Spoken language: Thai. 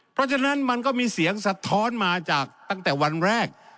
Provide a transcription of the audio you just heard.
เพราะฉะนั้นมันก็มีเสียงสะท้อนมาจากตั้งแต่วันแรก